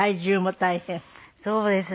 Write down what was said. そうですね。